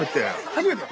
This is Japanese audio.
初めて？